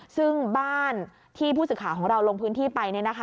ซึ่งบ้านที่ผู้สื่อข่าวของเราลงพื้นที่ไป